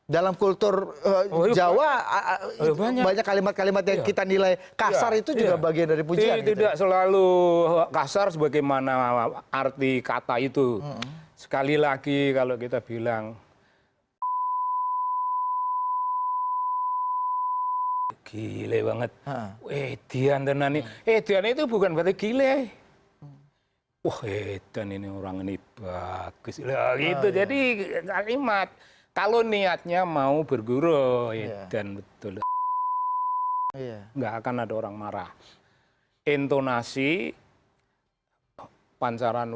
dalam kultur jawa banyak kalimat kalimat yang kita nilai kasar itu juga bagian dari pujian